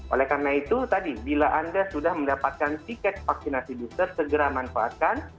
oleh karena itu tadi bila anda sudah mendapatkan tiket vaksinasi booster segera manfaatkan